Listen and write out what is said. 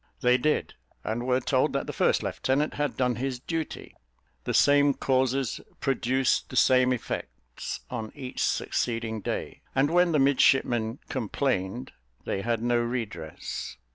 They did, and were told that the first lieutenant had done his duty. The same causes produced the same effects on each succeeding day; and when the midshipmen complained, they had no redress.